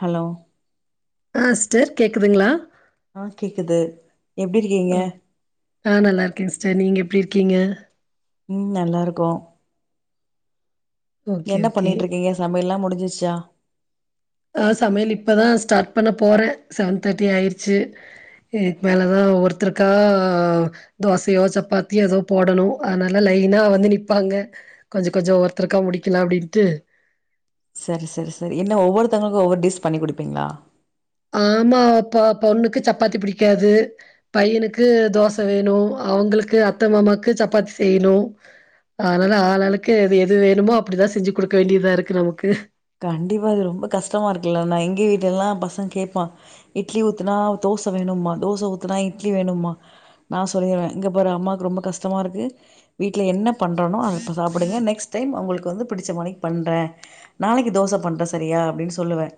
Hello ஆ sister கேக்குதுங்களா ஆஹ் கேக்குது எப்டி இருக்கீங்க ம். ஆ நல்லா இருக்கேன் சிஸ்டர். நீங்க எப்டி இருக்கீங்க உம் நல்லாருக்கோம் ஓகே என்ன ஓகே. பண்ணிட்டு இருக்கீங்க சமையல்லாம் முடிஞ்சிச்சு சா ஆஹ் சமையல் இப்பதான் ஸ்டார்ட் பண்ண போறேன் செவன் தேர்ட்டி ஆயிடுச்சு இதுக்கு மேலதான் ஒவ்வொருத்தருக்கா தோசையோ சப்பாத்தியோ ஏதோ போடணும் அதனால லைனா வந்து நிப்பாங்க கொஞ்சம் கொஞ்சம் ஒருத்தருக்கா முடிக்கலாம் அப்டின்ட்டு சரி சரி சரி என்ன ஒவ்வொருத்தவங்களுக்கும் ஒவ்வொரு டிஸ் பண்ணி குடுப்பீங்களா ஆமா ஆப்பா பொண்ணுக்கு சப்பாத்தி பிடிக்காது பையனுக்கு தோச வேணும் அவங்களுக்கு அத்த மாமாக்கு சப்பாத்தி செய்யணும் அதனால ஆளாளுக்கு எது எது வேணுமோ அப்டிதான் செஞ்சு குடுக்க வேண்டியதா இருக்கு நமக்கு கண்டிப்பா இது ரொம்ப கஷ்டமா இருக்குல்ல நான் எங்க வீட்லேலாம் பசங்க கேப்பான் இட்லி ஊத்துனா தோச வேணும்பா தோச ஊத்துனா இட்லி வேணும்பா நான் சொல்லிருவேன் இங்க பாரு அம்மாவுக்கு ரொம்ப கஷ்டமா இருக்கு வீட்ல என்ன பண்றனோ அத இப்ப சாப்டுங்க நெக்ஸ்ட் டைம் உங்களுக்கு வந்து பிடிச்ச மானிக்கு பண்றேன் நாளைக்கு தோச பண்றேன் சரியா அப்டின்னு சொல்லுவேன்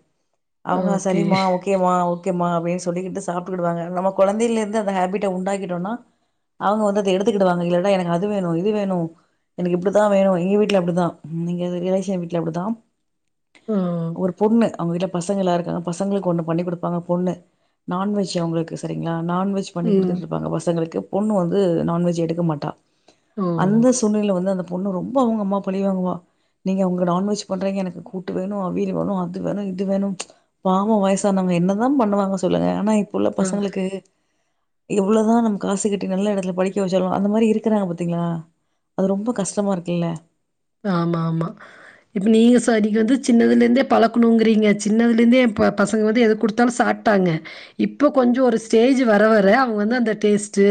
அவ்ங்க ஓகே. சரிமா ஓகே மா ஓகேமா அப்படின்னு சொல்லிகிட்டு சாப்பிட்டுவாங்க நம்ம குழந்தையில இருந்து அந்த ஹேபிட்டை உண்டாக்கிட்டோம்னா அவங்க வந்து அதை எடுத்துக்கிடுவாங்க இல்லனா எனக்கு அது வேணும் இது வேணும் எனக்கு இப்படித்தான் வேணும் எங்க வீட்டுல அப்படிதான் எங்க ரிலேஷன் வீட்டுல அப்படிதான் ஆ ஒரு பொண்ணு [unintelligible] பர்ஸ் [unintelligible] லாருகாங்க பசங்களுக்கு ஒன்னு பண்ணி கொடுப்பாங்க பொண்ணு நான்வெஜ் அவுங்களுக்கு செரிங்களா நான்வெஜ் பண்ணி கொடுத்துட்டு ம். இருப்பாங்க பசங்களுகு பொண்ணு வந்து நான்வெஜ் எடுக்க மாடா ஓ! அந்த சூழ்நிலை வந்த அந்த பொ பொண்ணு ரொம்பவு அவ்ங்க அம்மா பழிவாங்குவா நீங்க அவங்க நான்வெஜ் பண்றீங்க எனக்கு கூட்டு வேணு அவியல் வேணு அது வேணும் இது வேணும் பாவம் வயசானாவங்க என்னதா பண்ணுவாங்க சொல்லுங்க ஆனா இப்புள்ள ஆ பசங்களுக்கு இவ்ளோதான் நம்ம காசு கட்டி நல்ல இடதுல படிக்க வச்சாலும் அந்த மாதிரி இருக்குறா பாத்தீங்களா அது ரொம்ப கஷ்டமா இருக்குல்ல ஆமா ஆமா இப்ப நீங்க சரிங்கது சின்னதுல இருந்தே பழக்கணுங்கறீங்க சின்னதுல இருந்தே என் பசங்க வந்து எது குடுத்தாலும் சாப்ட்டாங்க இப்ப கொஞ்சம் ஒரு ஸ்டேஜ் வர வர அவங்க வந்து அந்த டேஸ்ட்டு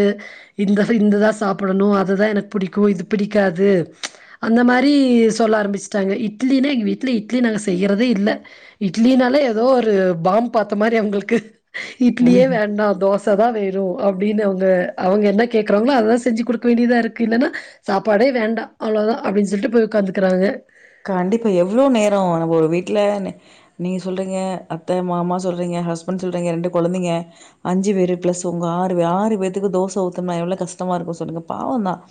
இந்த இந்ததான் சாப்பிடணும் அதுதான் எனக்கு பிடிக்கும் இது பிடிக்காது அந்த மாதிரி சொல்ல ஆரம்பிச்சுடாங்க இட்லினா எங்கள் வீட்டில் இட்லி நாங்கள் செய்யறதே இல்ல இட்லினால ஏதோ ஒரு பாம் பார்த்த மாதிரி அவங்களுக்கு இட்லியே வேண்டாம் தோஸ் ச [unintelligible] வேணு அப்படின்னு அவங்க அவங்க என்ன கேக்குறாங்களோ அததான் செஞ்சு கொடுக்க வேண்டியதா இருக்கு இல்லனா சாப்பாடே வேண்டாம் அவ்வோதான் அப்டின்னு சொல்லிட்டு போய் உக்காந்துறாங்க கண்டிப்பா எவ்வளோ நேரம் நம்ம ஒரு வீடல நீ சொல்றீங்க அத்தை மாமா சொல்றீங்க ஹஸ்பண்ட் சொல்றீங்க ரெண்டு கொழந்தைங்க அஞ்சு பேரு பிளஸ் உங்க ஆறு பே ஆறு பேத்துக்கு தோசை ஊத்தும்னா எவ்ளோ கஷ்டமா இருக்கும் சொல்லுங்க பாவம் தான்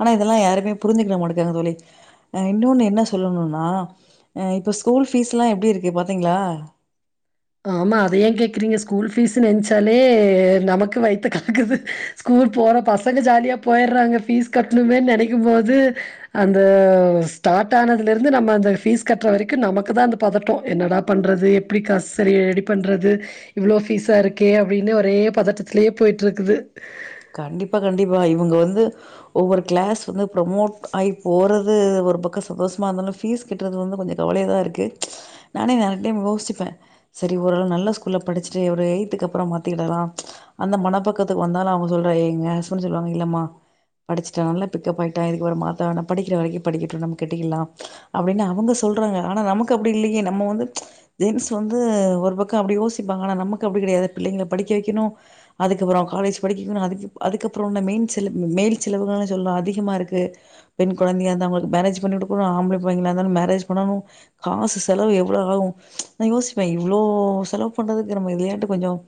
ஆனா இதெல்லா யாருமே புரி்சுக்கிட மாட்டுகங்க தோழி இன்னொன்னு என்ன சொ சொல்லணுனா இப்ப ஸ்கூல் பீஸ் எல்லா எப்படி இருக்கு பாத்தீங்களா ஆமா அத ஏன் கேக்குறீங்க ஸ்கூல் பீஸ் நென்ச்சாலே நமக்கு வய்த்த கல்க்குது ஸ்கூல் போற பசங்க ஜாலியா போயறாங்க பீஸ் கட்டணுமேன்னு நினைக்கும் போது அந்த ஸ்டார்ட் ஆனதுல இருந்து நம்ம அந்த பீஸ் கட்டுற வரைக்கும் நமக்குதான் அந்த பதட்டம் என்னடா பண்றது எப்படி கஹ் நரய ஏடிட் பண்ணுறது இவ்வளோ ஃபீஸா இருக்கே அப்படின்னு ஒரே பதட்டத்திலயே போய்ட்டுருக்குது கண்டிப்பா கண்டிப்பா இவங்க வந்து ஒவ்வொரு கிளாஸ் வந்து ப்ரமோட் ஆகி போறது ஒரு பக்கம் சந்தோஷமா இருந்தாலும் பீஸ் கட்டுறது வந்து கொஞ்சம் கவலையதான் இருக்கு நானே நிறைய டைம் யோசிப்பேன் சரி ஒரு ஆளவு நல்ல ஸ்கூல்ல படிச்சுட்டு ஒரு எய்த்துக்கு அப்புறம் மாதிக்கிடலாம் அந்த மனப்பக்கத்துக்கு வந்தாலும் அவ்ங் சொல்ட ஏங்க யஹஸ்பன்ட் சொல்வாங்க இல்லமா படிசுட்டா நல்ல பிக்கப் ஆயிடா எதுக்வர மாத்தவேனா படிகிற வர படிகட்டும் நம்மகிட்டல்லா அப்டினு அவுங்க சொல்டாங்க ஆனா நமக்கு அப்டில்லயே நம்மவந்து ச்சு எக்ஸ் வந்து ஒரு பக்கோ அப்டியோசிபாங்க ஆனா நமக்கு அப்டிகிடையாது பிள்ளைங்ல படிக்க வைகனு அதுக் காலேஜ் இனோ அதுக் அதுககப்ரோ மெயின் செலவு மெயில் செல சொல்ல அதிகமா இருக்கு பெண் குழந்தையா இருந்தா அவுங்க பேரஜ் பனோனு ஆம்லபிள்ளங்லா இருந்தாலு மேரஜ் பன்னனு மாச செலவு எவ்ளோ ஆகும் யோசிப்ப இவ்ளோ செலவு பன்றடது [unintelligible] பண்றதுஞ்சம்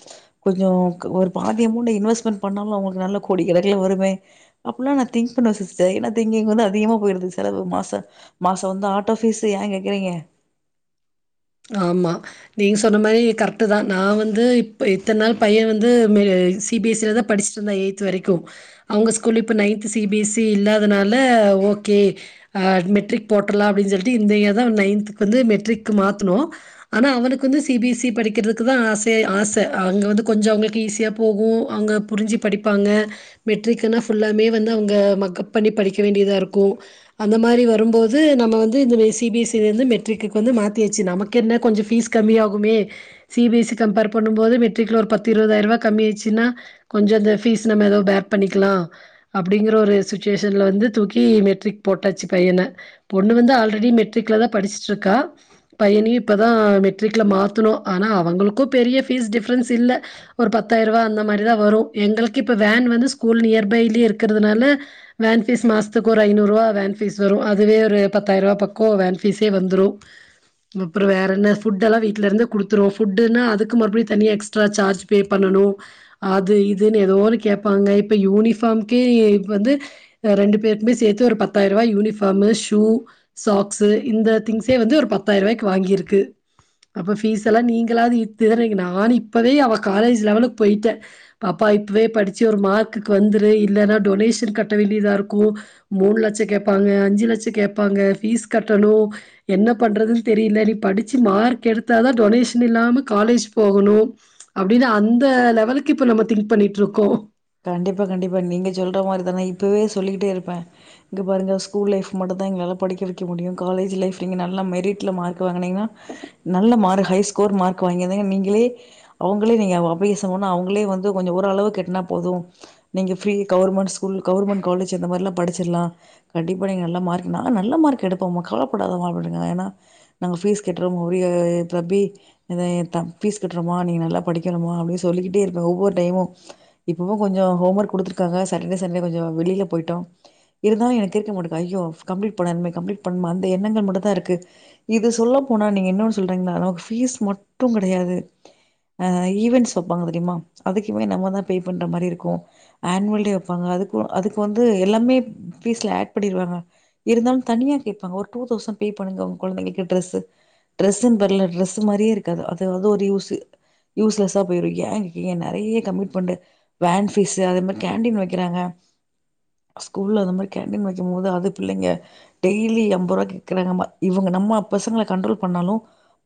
கொஞ்சம் ஒரு பாதி அமௌண்ட் இன்வஸ்மெண்ட் பண்ணாலும் அவங்களுக்கு நல்ல கொடி கிடக்குல வருமே அப்பல்லாம் நான் திங்க் பண்ணவ சிஸ்டர் ஏன்னா திங்கிங் வந்து அதிகமா போயிருது சில மாச மாசம் வந்து ஆட்டோ பீஸ் ஏங் கேக்குறீங்க ஆமா நீங்க சொங்ன மாதிரி கரெக்ட் தான் நான் வந்து இப்ப இத்தன நாள் பையன் வந்து சிபி எஸ் சி ல தான் படிச்சட்டு இருந்தான் எயி்த் வரைக்கும் அவங்க ஸ்கூல இப்போ நைன்த் சிபி எஸ் சி இல்லாதனால ஓகே அ மெட்ரிக் போட்டறலா அப்படின்னு சொல்லிட்டு இந்த இயர் தான் நைன்த்துக்கு வந்து மெட்ரிக்கு மாத் ஹலோ ஆனா அவனக்கு வந்து சிபி எஸ் சி படிக்கிறதுக்குத ஆசயேஆச அங்க வந்து கொஞ்ச அவ்ங்கலுகு ஈிசிய போகும் அங்க புரிஞ்சு படிப்பாங்க மெட்ரிக்கான புல்லாமே வந்து அங்க மக்கப் பண்ணி படிக்க வேண்டியத இருக்கும் அந்த மாரி வரும்போது நமவந்து சிபி எஸ் ல இருந்து மெட்ரிக்கு மாத்து ச்சு நமக்கு என்ன கொஞ்சம் பீஸ் கம்மியாகுமே சிபி எஸ் சி கம்பேர் பண்ணு போது மெட்ரிக்ல ஒரு பத்து இருபதாயிரம் ரூபா கம்மி ஆயச்சுன்னா கொஞ்சம் அந்த பீஸ் நம்ம ஏதோ பேக் பண்ணிக்கலாம் அப்படிங்கற ஒரு சுச்சுவேஷன்ல வந்து தூக்கி மெட்ரிக் போட்டாச்சு பையனை பொண்ணு வந்து ஆல்ரெடி மெட்ரிக்ல தான் படிஸ்சுட்டு இருக்கா பையனையும் இப்போத மெட்ரிக்ல மாத்தணும் ஆனா அவங்களுக்கும் பெரிய ஃபீஸ் டிப்ரென்ஸ் இல்ல ஒரு பத்தாயிரம் ரூபா அந்த மாதிரி தான் வரும் எங்களுக்கு இப்போ வேன் வந்து ஸ்கூல் நியர்பைலே இருக்கறனால வேன் ஃபீஸ் மாஸ்து ஒரு ஐநூறு ரூபா வேன் ஃபீஸ் வரும் அதுவே ஒரு பத்தாயிரூபா பக்கம் வேன் ஃபீஸே வந்துரும் அப்ரோற வேற என்ன ஃபுட்டெல்லா வீட்டில இருந்து குடுத்துவோம் ஃபுட்டுன்னா அதுக்கு மறுபடியும் தனிய எக்ஸ்ட்ரா சார்ஜ் பே பண்ணணு அது இதுன்னு ஏதோ ஒன்னு கேட்பாங்க இப்போ யூனிஃபார்ம்கே இ வந்து ரெண்டு பேருமே சேர்த்து ஒரு பத்தாயிரம் ரூபா யூனிஃபார்ம் ஷூ சாக்ஸ்சு இந்த திங்ஸே வந்து ஒரு பத் பத்தாயிரவாய்க்கு வாங்கிருக்கு அப்ப பீஸ் எல்லா நீங்களாது இத்து நானு இப்பவே அவ காலேஜ் லெவலுக்கு போய்ட்ட அப்பா இப்பவே படிச்சி ஒரு மார்க்குக்கு வந்துரு இல்லனா டொனேஷன் கட்ட வேண்டியதா இருக்கு மூணு லட்ச கேட்பாங்க அஞ்சு லட்ச கேப்பாங்க ஃபீஸ் கட்டனு என்ன பண்றதுன் தெரியில நீ படிச்சு மார்க் எடுத்தா தா டொனேஷன் இல்லாம காலேஜ் போகணு அப்படின்னு அந்த லெவலுக்கு இப்ப நம்ம திங்க் பண்ணிட்டு இருக்கோ கண்டிப்பா கண்டிப்பா நீங்க சொல்ற மாரி தான இப்பவே சொல்லிகிட்டே இருப்பே இங்க பாருங்க ஸ்கூல் லைஃப் மட்டு தா எங்களால படிக்க வெக்க முடியு காலேஜ் லைஃப்ல நீங்க நல்லா மெரிட்ல மார்க் வாங்கினீங்க நல்ல மார்க் ஹை ஸ்கோர் மார்க் வாங்கிருந்தீங்க நீங்களே அவங்களே நீங்க அப்ளீகேசன் போனா அவுங்களே வந்து கொஞ்சோ ஓரளவுக்கு என்ன போது நீங்க free government school government college இந்த மாரி எல்லா படிச்சிறலா கண்டிப்பா நீ நல்ல மார்க் நாங்க நல்ல மார்க் எடுப்போம்மா கவலப்படாத மா அப்படிங்க ஏன்னா நாங்க பீஸ் கட்டுற முடியறப்பி ஆ பீஸ் கட்டுறோமா நீங்க நல்லா படிக்கணுமா அப்படின்னு சொல்லிக்கிட்டே இருப்பே ஒவ்வொரு டைமு இப்பவு கொஞ்ச ஹோம் ஒர்க் குடுத்துருக்காங்க சாட்டர்டே சண்டே கொஞ்ச வெளியில போயிட்டோ இருந்தாலு எனக்கு இருக்க மாட்டேக்க ஐயோ கம்ப்ளீட் பண்ணனுமே கம்ப்ளீட் பண்ணுமா அந்த எண்ணங்கள் மட்டு தா இருக்கு இது சொல்ல போனா நீங்க இன்னோனு சொல்றீங்களா நமக்கு ஃபீஸ் மட்டு கெடையாது ஆ ஈவெண்ட்ஸ் வெப்பாங்க தெரியுமா அதுக்குமே நம்ம தா பே பண்ற மாரி இருக்கு அன்வல்டே வெப்பாங்க அதுக்கு அதுக்கு வந்து எல்லாமே பீஸ்ல ஆட் பண்ணிருவாங்க இருந்தாலு தனியா கேப்பாங்க ஒரு டூ தெளசண் பே பண்ணுங்க உங்க கொழந்தைகளுக்கு டிரஸ் டிரஸ்னு பேருல டிரஸ்மாரியே இருக்காது அதுவந்து ஒரு யூஸ் யூஸ்லஸ்ஸா போயிரு ஏ நெறைய கம்யூட் பண்ணு வேன் பீஸ் அதேமாரி கேண்டின் வைக்கிறாங்க ஸ்கூல ரொம்ப கேண்டின் வைக்கு போது அது பிள்ளைங்க டெய்லி அம்பத் ரூவா கேக்கறாங்கமா இவங்க நம்ம பசங்கள கண்ட்ரோல் பண்ணாலு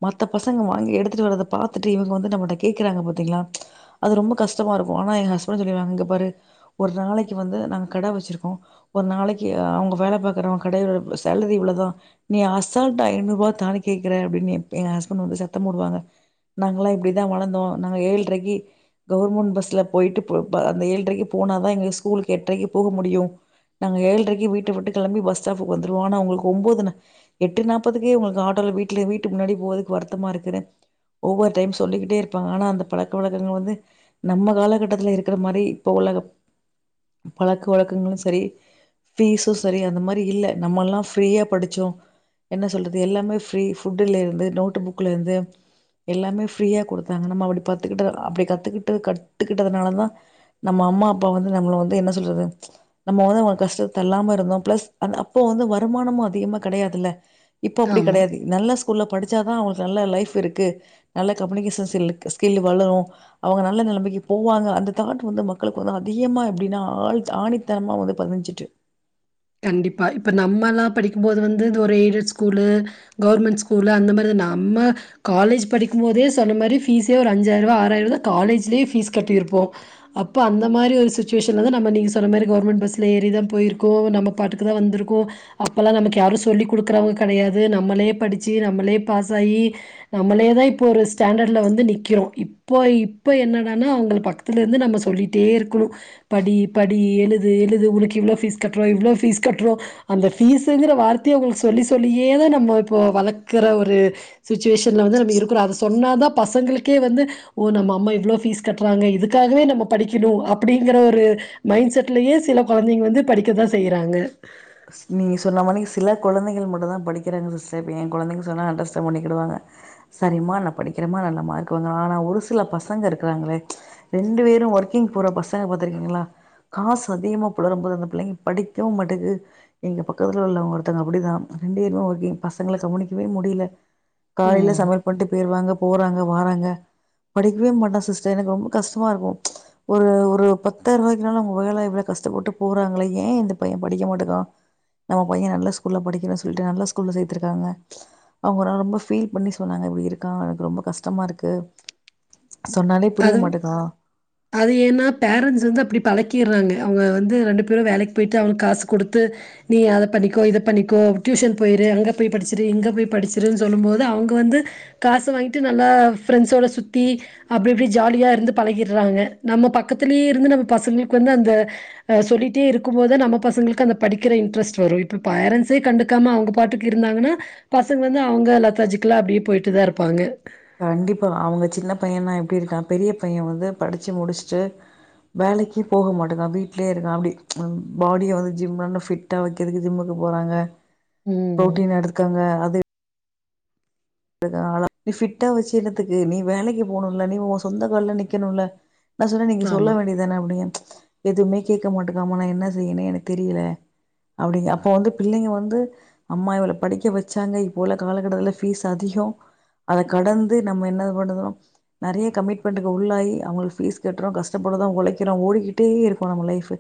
மத்த பசங்க வாங்கி எடுத்துட்டு வரத பாத்துட்டு இவுங்க வந்து நம்மட்ட கேக்குறாங்க பாத்தீங்களா அது ரொம்ப கஷ்டமா இருக்கு போனா ஏ ஹஸ்பண்ட் சொல்லிருவாங்க இங்க பாரு ஒரு நாளைக்கு வந்து நாங்க கட வச்சிருக்கோ ஒரு நாளைக்கு அவுங்க வேல பாக்குறவ கடைல சேலரி இவ்ளோதா நீ அசால்டா ஐநூறு ரூபா தானு கேக்கறா அப்படினு எங்க ஹஸ்பண்ட் வந்து சத்த போடுவாங்க நாங்கல்லா இப்படிதா வளந்தோ நாங்க ஏள்றைக்கு கவுர்மெண்ட் பஸ்ல தில போயிட்டு போ ப அந்த ஏழ்ரைக்கு போன தா எங்க ஸ்கூலுக்கு எட்ரைக்கு போக முடியு நாங்க ஏழரைக்கு வீட்ட விட்டு கெளம்பி பஸ் ஸ்டாப்க்கு வந்துருவோ ஆனா அவுங்களுக்கு ஒன்போதுன எட்டு நாப்பதுக்கு உங்களுக்கு ஆட்டோல வீட்டல வீட்டுக்கு முன்னாடி போறதுக் வருத்தமா இருக்குனு ஒவ்வொரு டைம் சொல்லிகிட்டே இருப்பாங்க ஆனா அந்த பழக்க வழக்கங்கள் வந்து நம்ம காலகட்டத்தில இருக்கிற மாரி இப்போ உள்ள பழக்க வழக்கங்களு சரி ஃபீஸும் சரி அந்த மாரி இல்ல நம்மலா ஃப்ரீயா படிச்சோ என்ன சொல்றது எல்லாமே ஃப்ரீ ஃபுட்டலருந்து நோட் புக்கலேருந்து எல்லாமே ஃப்ரீயா குடுத்தாங்க நம்ம அப்படி பத்துக்கிட்ட அப்படி கத்துக்கிட்டு டு கத்துக்கிட்டதுனாலதா நம்ம அம்மா அப்பா வந்து நம்மள வந்து என்ன சொல்றது நம்ம வந்து அவுங்களுக் கஷ்டத்த தள்ளாம இருந்தோ பிளஸ் அந்த அப்போ வந்து வருமானமு அதிகமா கெடையாதுல்ல இப்போ அப்படி ஆமா. கெடையாது நல்ல ஸ் ஸ்கூல்ல படிச்சாதா அவுங்களுக்கு நல்ல லைஃப் இருக்கு நல்ல கம்யூனிகேஷன் ஸ்ல் ஸ்கில் வளரு அவுங்க நல்ல நெலமைக்கு போவாங்க அந்த தாட் வந்து மக்களுக்கு வந்து அதிகமா எப்டின்னா ஆழ் ஆணித்தனமா வந்து பதிஞ்சிட்டு கண்டிப்பா இப்போ நம்மலா படிக்கு போது வந்து ஒரு எய்டட் ஸ்கூலு கவுர்மெண்ட் ஸ்கூலு அந்த மாரி நம்ம காலேஜ் படிக்கு போதே சொன்ன மாரி ஃபீஸே ஒரு அஞ்சாயிர ரூபா ஆறாயிர ரூபா காலேஜ்லேயே ஃபீஸ் கட்டியிருப்போ அப்போ அந்த மாரி ஒரு சுச்சுவேஷன்ல தா நம்ம நீங்க சொன்ன மாரி கவுர்மெண்ட் பஸ்ல ஏறிதா போயிருகோ நம்ம இப்போ பாட்டுக்கு தா வந்திருக்கோ அப்போல்லா நமக்கு யாரு சொல்லிக் குடுக்குறவங்க கெடையாது நம்மளே படிச்சி நம்மளே பாஸ் ஆயி நம்மளே தா இப்போ ஒரு ஸ்டாண்டர்டில் வந்து நிற்கிறோ இப்போ இப்போ என்னடனா அவுங்க பக்கத்துலேருந்து நம்ம சொல்லிட்டே இருக்கணு படி படி எழுது எழுது உனக்கு இவ்ளோ ஃபீஸ் கட்டுறோ இவ்ளோ ஃபீஸ் கட்டுறோ அந்த ஃபீஸுங்கிற வார்த்தைய அவுங்களுக்கு சொல்லி சொல்லியே தா நம்மோ இப்போ வளக்கற ஒரு சுச்சுவேஷன்ல வந்து நம்ம இருக்குறோ அத சொன்னா தா பசங்களுக்கே வந்து ஓ நம்ம அம்மா இவ்வளோ ஃபீஸ் கட்டுறாங்க இதுக்காகவே நம்ம படிக்கிணு அப்படிங்கிற ஒரு மைண்ட் செட்லயே சில கொழந்தைங்க வந்து படிக்க தா செய் வாங்க நீ சொன்ன மாதி சில கொழந்தைகள் மட்டு தா படிக்கிறாங்க சிஸ்டர் இப்போ எ கொழந்தைங்க சொன்னா அண்டர்ஸ்டாண்ட் பண்ணிகிடுவாங்க சரிம்மா நா படிக்கிறமா நல்ல மார்க் வாங்க ஆனா ஒரு சில பசங்க இருக்கறாங்களே ரெண்டு பேரு ஒர்க்கிங் போற பசங்க பாத்தருக்கீங்களா காசு அதிகமா புலரு போது அந்த பிள்ளைங்க படிக்கவு மட்டிகு எங்க பக்கத்துல உள்ளவங்க ஒருத்தவங்க அப்படிதா ரெண்டு பேருமே ஒர்க்கிங் பசங்கள கவனிக்கவே முடியல காலையில ம் சமல் பண்ணட்டு போயிருவாங்க போறாங்க வாராங்க படிக்கவே மாட்டா சிஸ்டர் எனக்கு ரொம்ப கஷ்டமா இருக்கு ஒரு ஒரு பத்தாயிரம் ரூபாய்க்குனால அவங்க வகல எவ்ளோ கஷ்டப்பட்டு போறாங்கள ஏன் இந்த பைய படிக்க மாட்டிகிற நம்ம பைய நல்ல ஸ்கூல்ல படிக்கிற சொல்லிட்டு நல்ல ஸ்கூல்ல சேர்த்திருக்காங்க அவங்கெல்லாம் ரொம்ப ஃபீல் பண்ணி சொன்னாங்க இப்டி இருக்கா எனக்கு ரொம்ப கஷ்டமா இருக்கு சொன்னாலே புரிய அது மாட்டேக்கா அது ஏன்னா பேரண்ட்ஸ் வந்து அப்டி பழக்கி கிறாங்க அவங்க வந்து ரெண்டு பேரு வேலைக்கு போயிட்டு அவங்க காசு குடுத்து நீ அத பண்ணிக்கோ இத பண்ணிக்கோ டியூஷன் போயிரு அங்கே போய் படிச்சிரு இங்க போய் படிச்சிருன்னு சொல்லும் போது அவங்க வந்து காச வாங்கிட்டு நல்லா ஃப்ரெண்ட்ஸோட சுத்தி அப்டி இப்டி ஜாலியாக இருந்து பழகிறாங்க நம்ம பக்கத்துலயே இருந்து நம்ம பசங்களுக்கு வந்து அந்த சொல்லிட்டே இருக்கும் போது நம்ம பசங்களுக்கு அந்த படிக்கிற இன்ட்ரெஸ்ட் வரும் இப்ப பேரண்ட்ஸே கண்டுக்காம அவங்க பாட்டுக்கு இருந்தாங்கன்னா பசங்க வந்து அவங்க லெத்தாஜிக்கலா அப்டியே போய்ட்டு தா இருப்பாங்க கண்டிப்பா அவங்க சின்ன பையன்னா எப்டி இருக்கா பெரிய பைய வந்து படிச்சு முடிச்சுட்டு வேலைக்கு போக மாட்டேங்குறா வீட்லய இருக்கா அப்டி ஃபாடிய வந்து ஜிம்ல ஃபிட்டா வைக்கிறதுக்கு ஜிம்முக்கு போறாங்க ம். பு்ரோட்டீன் எடுத்துக்காங்க அது [unintelligible] நீ ஃபிட்டா வச்சு என்னதுக்கு நீ வேலைக்கு போனும்ல நீ உன் சொந்த கால்ல நிக்கணுல நா சொன்ன நீங்க சொல்ல ஆமா, வேண்டிதுதானே அப்டினு எதுமே கேட்க மாட்டுக்காம நான் என்ன செய்யனே எனக்கு தெரியல அப்டிங்கா அப்ப வந்து பிள்ளைங்க வந்து அம்மா இவள படிக்க வச்சாங்க இப்போல காலகட்டத்துல பீஸ் அதிகம் அதை கடந்து நம்ம என்ன பண்ணுகுரோம் நறைய கமிட்மெண்ட்டுக்கு உள்ளாயி அவங்களுக்கு பீஸ் கட்றோம் கஷ்டப்படுரது உழைக்கிறோம் ஓடிக்கிட்டே இருக்கோ நம்ம லைஃப்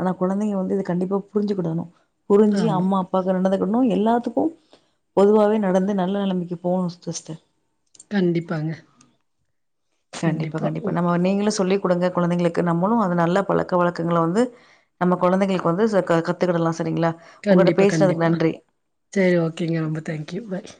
அனா கொழந்தைங்க வந்து கண்டிப்பா புரிஞ்சுகனூ புரிஞ்சி ஆமா. அம்மா அப்பாகரனு [unintelligible] இன்னோ எல்லாத்துக்கும் பொதுவாவே நடந்து நல்லநல்ல நிமைக்கு போனூ சிஸ்டர் கண்டிப்பாங்க கண்டிப்பா கண்டிப்பா நம்ம நீங்களு சொல்லி் குடுங்க குழந்தைகளுக்கு நம்மளு அது நல்ல பழக்க வழகங்கள வந்து நம்ம குழந்தைகளுக்கு வந்து ச கத்துகடலா சரிங்களா உங்கட்ட கண்டிப்பா பேசுனதுக்கு கண்டிப்பா நன்றி செரி ஓகேங்க ரொம்ப தேங்க்யூ பாய்